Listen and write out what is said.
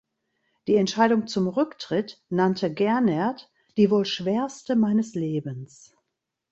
Die Entscheidung zum Rücktritt nannte Gernert „die wohl schwerste meines Lebens“.